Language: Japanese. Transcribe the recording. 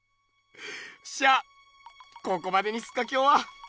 っしゃここまでにすっかきょうは。